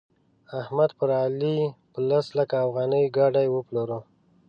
احمد پر علي په لس لکه افغانۍ ګاډي وپلوره.